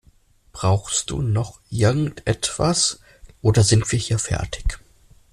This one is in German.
Brauchst du noch irgendetwas oder sind wir hier fertig?